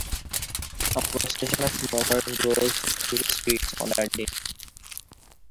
A procession of mummers goes through the streets on that day.